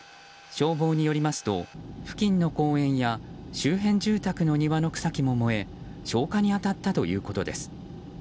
消防によりますと、付近の公園や周辺住宅の庭の草木も燃え消火に当たったということです。